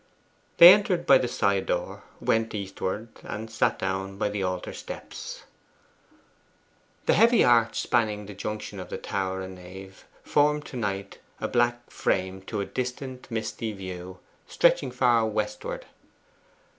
They entered by the side door, went eastward, and sat down by the altar steps. The heavy arch spanning the junction of tower and nave formed to night a black frame to a distant misty view, stretching far westward.